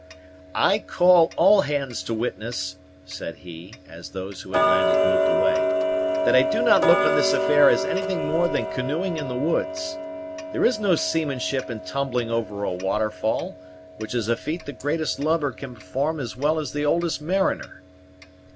"I call all hands to witness," said he, as those who had landed moved away, "that I do not look on this affair as anything more than canoeing in the woods. There is no seamanship in tumbling over a waterfall, which is a feat the greatest lubber can perform as well as the oldest mariner."